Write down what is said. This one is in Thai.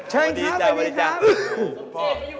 เห้ยสนิทของพี่ตัว